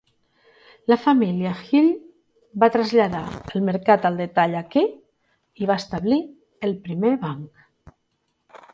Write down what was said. La família Hill va traslladar el mercat al detall aquí i va establir el primer banc.